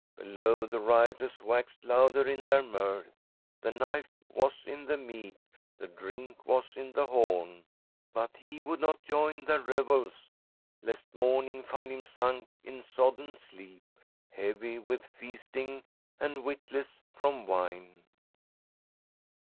Below, the rioters waxed louder in their mirth. The knife was in the meat, the drink was in the horn. But he would not join their revels, lest morning find him sunk in sodden sleep, heavy with feasting and witless from wine.